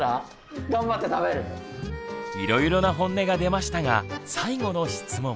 いろいろなホンネが出ましたが最後の質問。